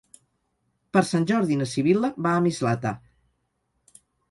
Per Sant Jordi na Sibil·la va a Mislata.